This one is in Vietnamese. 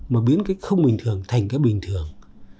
mà biến cái không bình thường thành cái bình thường